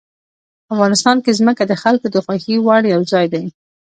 افغانستان کې ځمکه د خلکو د خوښې وړ یو ځای دی.